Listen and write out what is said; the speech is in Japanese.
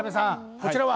こちらは？